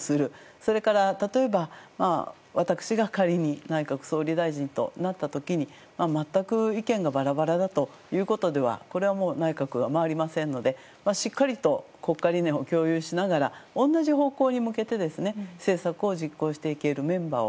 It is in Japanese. それから、例えば私が仮に内閣総理大臣となった時に全く意見がバラバラだということではこれはもう内閣が回りませんのでしっかりと国家理念を共有しながら同じ方向に向けてですね政策を実行していけるメンバーを。